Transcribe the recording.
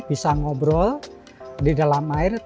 bisa ngobrol di dalam air